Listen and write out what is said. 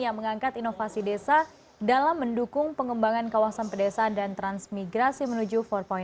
yang mengangkat inovasi desa dalam mendukung pengembangan kawasan pedesaan dan transmigrasi menuju empat